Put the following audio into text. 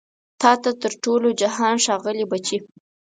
تا ته تر ټول جهان ښاغلي بچي